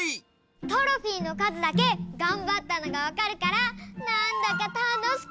トロフィーのかずだけがんばったのがわかるからなんだかたのしくなってきた！